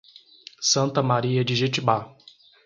Santa Maria de Jetibá